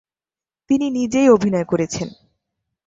তিনি নিজেই অভিনয় করেছেন।